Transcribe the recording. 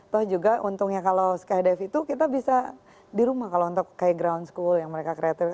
toh juga untungnya kalau skydive itu kita bisa di rumah kalau untuk kayak ground school yang mereka kreatif